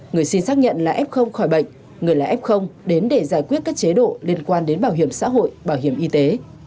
người xin xác nhận là f khỏi bệnh người là f đến để giải quyết các chế độ liên quan đến bảo hiểm xã hội bảo hiểm y tế